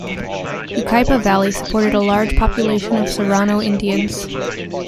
Yucaipa Valley supported a large population of Serrano Indians.